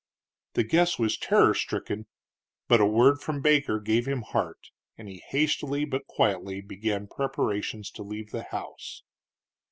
The guest was terror stricken, but a word from Baker gave him heart, and he hastily but quietly began preparations to leave the house.